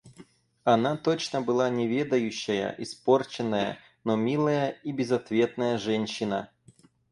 Она точно была неведающая, испорченная, но милая и безответная женщина.